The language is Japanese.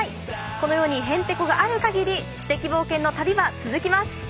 この世にへんてこがあるかぎり知的冒険の旅は続きます。